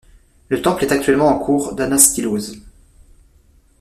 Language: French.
Le temple est actuellement en cours d'anastylose.